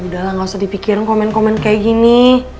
udah lah gak usah dipikirin komen komen kayak gini